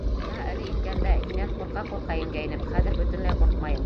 Бына әле ингәндә һинән ҡурҡа-ҡурҡа ингәйнем, хәҙер бөтөнләй ҡурҡмайым.